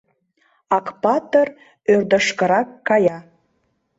Акпатыр ӧрдыжкырак кая.